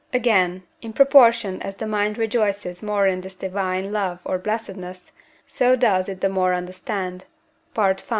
Again, in proportion as the mind rejoices more in this divine love or blessedness, so does it the more understand (V.